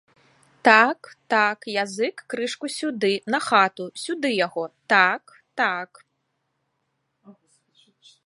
Так, так, язык крышку сюды, на хату, сюды яго, так, так.